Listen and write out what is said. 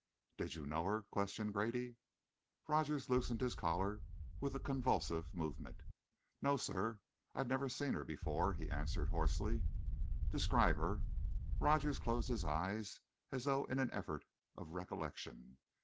"Did you know her?" questioned Grady. Rogers loosened his collar with a convulsive movement. "No, sir, I'd never seen her before," he answered hoarsely. "Describe her." Rogers closed his eyes, as though in an effort of recollection.